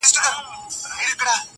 o سر که ولاړ سي، عادت نه ځي!